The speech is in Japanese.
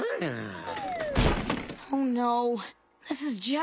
あ。